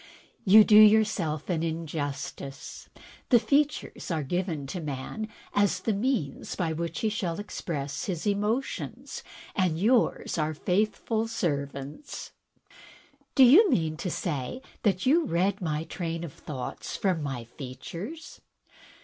"You do yourself an injustice. The features are given to man as the means by which he shall express his emotions, and yours are faithful servants." " Do you mean to say that you read my train of thoughts from my features?"